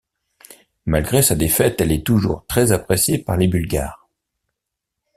Malgré sa défaite, elle est toujours très appréciée par les Bulgares.